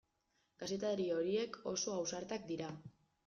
Kazetari horiek oso ausartak dira.